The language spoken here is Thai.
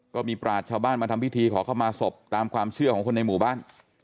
ก็มีปราชชาวบ้านมาทำพิธีขอเข้ามาศพตามความเชื่อของคนในหมู่บ้าน